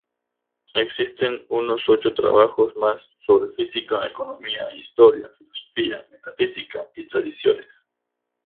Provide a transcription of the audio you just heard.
Existen unos ocho trabajos más, sobre física, economía, historia, filosofía, metafísica y tradiciones.